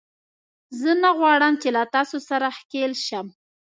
زه نه غواړم چې له تاسو سره ښکېل شم